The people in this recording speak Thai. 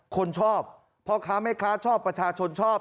คนชอบเพราะคะไม่คะชอบประชาชนชอบ